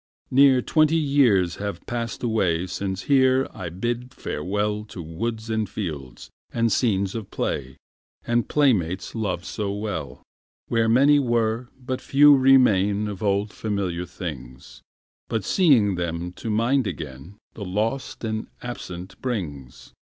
Near twenty years have passed away Since here I bid farewll To woods and fields, and scenes of play, And playmates loved so well. Where many were, but few remain Of old familiar things, But seeing them to mind again The lost and absent brings.